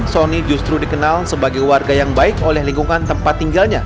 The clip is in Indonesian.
sony justru dikenal sebagai warga yang baik oleh lingkungan tempat tinggalnya